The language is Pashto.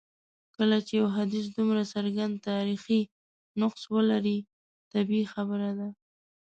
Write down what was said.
کله چي یو حدیث دومره څرګند تاریخي نقص ولري طبیعي خبره ده.